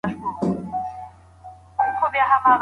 موسیقي د ذهن په ارامولو کي رول لري.